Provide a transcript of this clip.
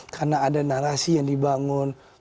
karena ada narasi yang dibangun